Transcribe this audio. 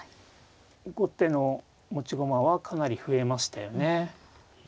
後手の持ち駒はかなり増えましたよね。